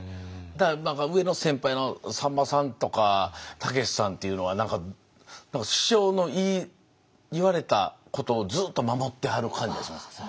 だから上の先輩のさんまさんとかたけしさんっていうのは何か師匠の言われたことをずっと守ってはる感じがしますよね。